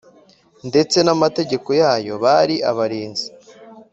ndetse namategeko yayo bari abarinzi